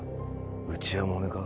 内輪もめか？